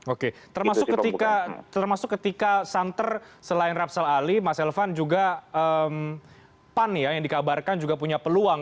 oke termasuk ketika termasuk ketika santer selain rapsel ali mas elvan juga pan ya yang dikabarkan juga punya peluang